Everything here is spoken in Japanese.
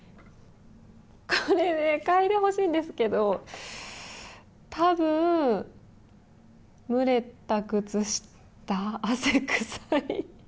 これ、嗅いでほしいんですが多分、蒸れた靴下、汗臭い。